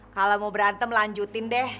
kalau mau berantem lanjutin deh